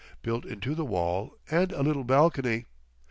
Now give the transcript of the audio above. Built into the wall—and a little balcony.